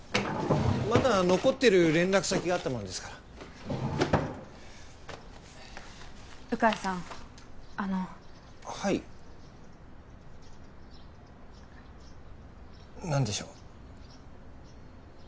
まだ残ってる連絡先があったもんですから鵜飼さんあのはい何でしょう？